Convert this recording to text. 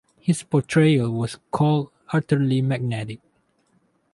His portrayal was called "utterly magnetic".